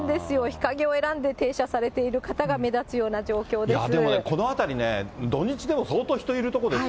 日陰を選んで停車されている方が目立つような状況です。